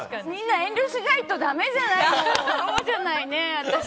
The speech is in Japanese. みんな遠慮しなきゃダメじゃないの。